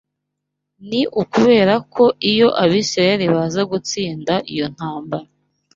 Ni ukubera ko iyo Abisirayeli baza gutsinda iyo ntambara